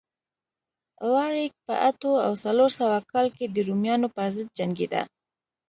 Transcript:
الاریک په اتو او څلور سوه کال کې د رومیانو پرضد جنګېده